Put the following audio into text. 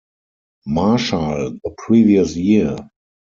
Marshal the previous year.